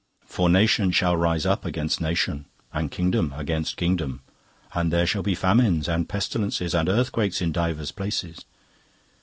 "'For nation shall rise up against nation, and kingdom against kingdom: and there shall be famines, and pestilences, and earthquakes, in divers places.